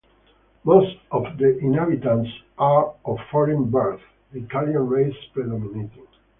Most of the inhabitants are of foreign birth, the Italian race predominating.